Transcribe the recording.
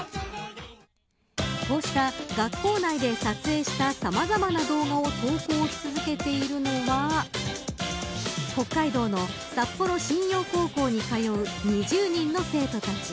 こうした学校内で撮影したさまざまな動画を投稿し続けているのは北海道の札幌新陽高校に通う２０人の生徒たち。